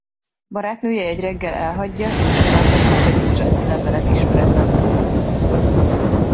Barátnője egy reggel elhagyja és ugyanaznap kap egy rózsaszín levelet ismeretlen feladótól.